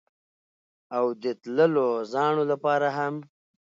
او د تللو زاڼو لپاره هم